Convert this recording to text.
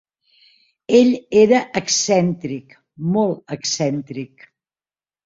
Ell era excèntric, molt excèntric.